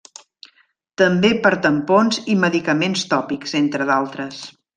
També per tampons i medicaments tòpics entre d’altres.